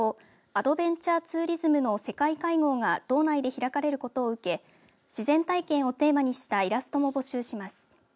アドベンチャーツーリズムの世界会合が道内で開かれることを受け自然体験をテーマにしたイラストも募集します。